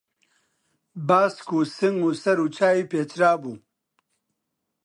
باسک و سنگ و سەر و چاوی پێچرابوو